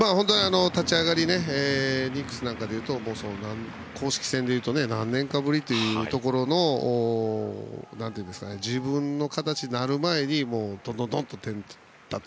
立ち上がりニックスでいうと公式戦でいうと何年かぶりというところの自分の形になる前にとんとんと点を取られたと。